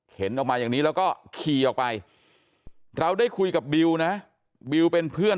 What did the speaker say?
ออกมาอย่างนี้แล้วก็ขี่ออกไปเราได้คุยกับบิวนะบิวเป็นเพื่อน